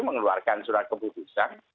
mengeluarkan surat keputusan